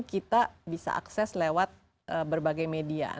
kita bisa akses lewat berbagai media